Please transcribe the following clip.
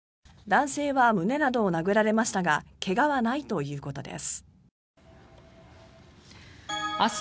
男性は胸などを殴られましたが怪我はないということです。